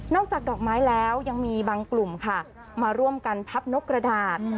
อกจากดอกไม้แล้วยังมีบางกลุ่มค่ะมาร่วมกันพับนกกระดาษ